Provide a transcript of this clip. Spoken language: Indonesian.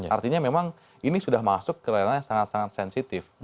artinya memang ini sudah masuk ke ranah yang sangat sangat sensitif